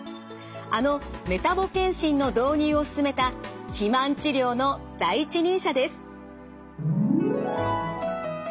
あのメタボ健診の導入を進めた肥満治療の第一人者です。